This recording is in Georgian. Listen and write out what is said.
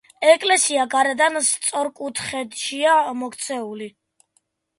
ეკლესია გარედან სწორკუთხედშია მოქცეული.